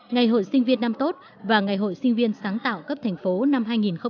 ngày hội sinh viên năm tốt và ngày hội sinh viên sáng tạo cấp thành phố năm hai nghìn một mươi chín